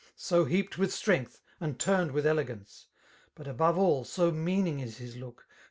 So heaped with strength^ and turned with elegance i But above all, so meaning is his look.